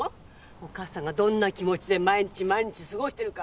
お母さんがどんな気持ちで毎日毎日過ごしてるか。